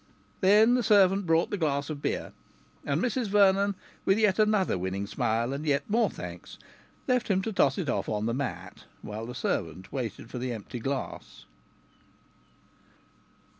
Then the servant brought the glass of beer, and Mrs Vernon, with yet another winning smile, and yet more thanks, left him to toss it off on the mat, while the servant waited for the empty glass.